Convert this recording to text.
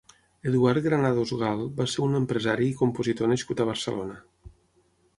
Eduard Granados Gal va ser un empresari i compositor nascut a Barcelona.